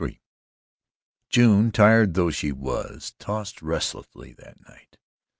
XXIII June, tired though she was, tossed restlessly that night.